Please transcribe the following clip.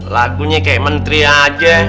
lagunya kayak menteri aja